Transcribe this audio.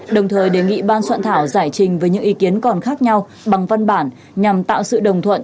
đồng thời đề nghị ban soạn thảo giải trình với những ý kiến còn khác nhau bằng văn bản nhằm tạo sự đồng thuận